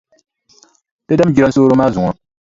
Ti dami jilansooro maa zuŋɔ.